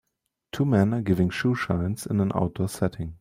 Two men are giving shoeshines in an outdoor setting